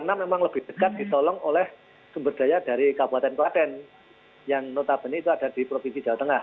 tapi di dekat disolong oleh sumber daya dari kabupaten klaten yang notabene itu ada di provinsi jawa tengah